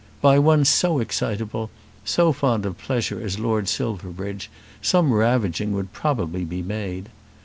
By one so excitable, so fond of pleasure as Lord Silverbridge, some ravaging would probably be made.